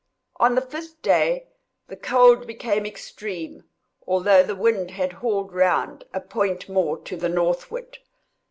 On the fifth day the cold became extreme, although the wind had hauled round a point more to the northward.